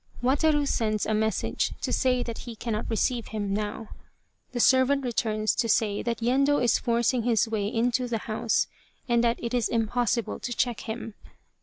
Wataru sends a message to say that he cannot receive him now. The servant returns to say that Yendo is forcing his way into the house, and that it is impossible to check him.